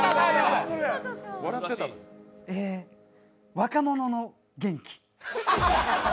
若者の元気。